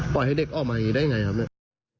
ปล่อยให้เด็กออกมากี่ได้ยังไงครับ